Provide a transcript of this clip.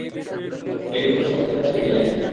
এগুলো তো সবখানে ছড়িয়ে আছে!